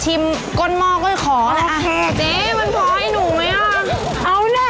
ชิมหมดแน่นะ